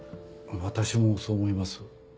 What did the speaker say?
私もそう思います。